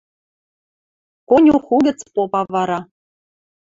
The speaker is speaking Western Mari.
Конюх угӹц попа вара